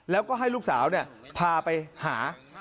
แล้วก็ให้ลูกสาวพาไปหา